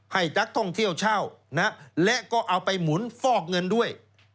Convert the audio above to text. ให้นักท่องเที่ยวเช่าและก็เอาไปหมุนฟอกเงินด้วย